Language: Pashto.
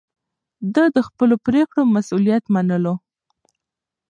ده د خپلو پرېکړو مسووليت منلو.